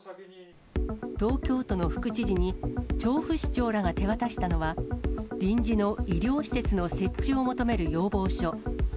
東京都の副知事に、調布市長らが手渡したのは、臨時の医療施設の設置を求める要望書。